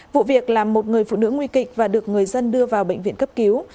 vụ việc làm một người phụ nữ nguy kịch và được người dân đưa vào bệnh viện cấp cứu